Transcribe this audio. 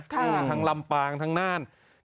ทั้งลำปางทั้งน่าน